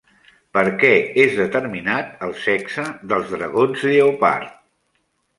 Per què és determinat el sexe dels dragons lleopard?